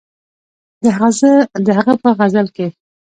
د هغه په غزل کښې